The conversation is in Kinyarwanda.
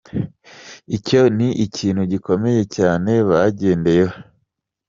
Icyo ni ikintu gikomeye cyane bagendeyeho.